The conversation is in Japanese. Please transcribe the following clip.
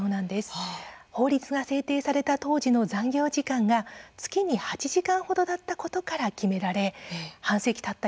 法律が制定された当時の残業時間が月に８時間程だったことから決められ半世紀たった